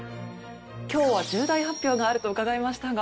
今日は重大発表があると伺いましたが。